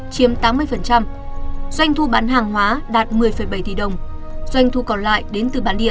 chiếm tám mươi doanh thu bán hàng hóa đạt một mươi bảy tỷ đồng doanh thu còn lại đến từ bản địa